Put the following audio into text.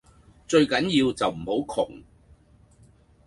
最緊要就唔好窮